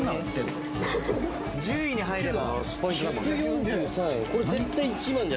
１０位に入ればポイント。